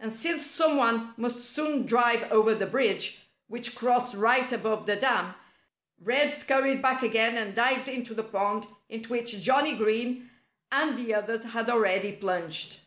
And since some one must soon drive over the bridge, which crossed right above the dam, Red scurried back again and dived into the pond, into which Johnnie Green and the others had already plunged.